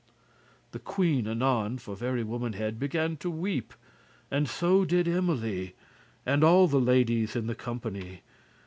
<37> The queen anon for very womanhead Began to weep, and so did Emily, And all the ladies in the company.